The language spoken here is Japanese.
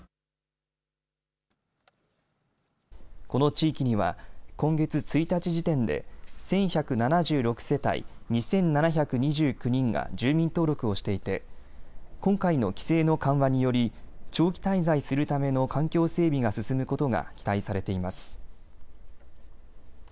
この地域には今月１日時点で１１７６世帯、２７２９人が住民登録をしていて今回の規制の緩和により長期滞在するための環境整備が進むことが期待されています。